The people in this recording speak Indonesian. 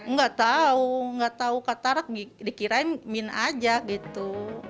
nggak tahu nggak tahu katarak dikirain min aja gitu